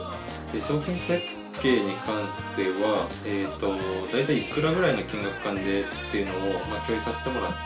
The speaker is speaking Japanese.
商品設計に関しては大体いくらぐらいの金額感でっていうのを共有させてもらって。